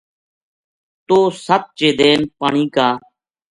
توہ ست چیدین پانی کا